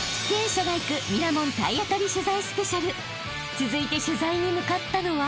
［続いて取材に向かったのは］